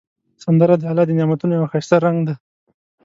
سندره د الله د نعمتونو یو ښایسته رنگ دی